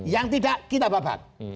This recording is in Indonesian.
yang tidak kita babat